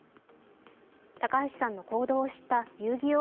高橋さんの行動を知った「遊戯王」